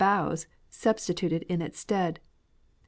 bows substituted in its stead.